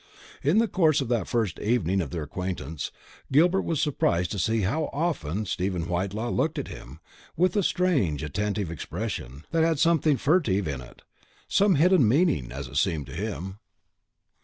In the course of that first evening of their acquaintance, Gilbert was surprised to see how often Stephen Whitelaw looked at him, with a strangely attentive expression, that had something furtive in it, some hidden meaning, as it seemed to him.